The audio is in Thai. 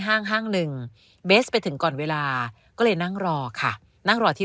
ห้างห้างหนึ่งเบสไปถึงก่อนเวลาก็เลยนั่งรอค่ะนั่งรอที่